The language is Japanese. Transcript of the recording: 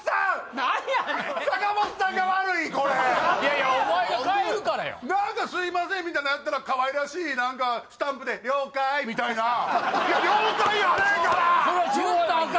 何やねん坂本さんが悪いこれいやいやお前が帰るからよ何か「すいません」みたいなやったらかわいらしい何かスタンプで「了解」みたいな「了解」やあらへんがな！